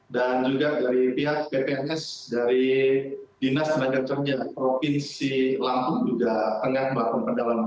dan juga dari pihak bpns dari dinas tenaga kerja provinsi lampung juga tengah melakukan pendalaman